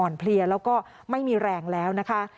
เพลียแล้วก็ไม่มีแรงแล้วนะคะ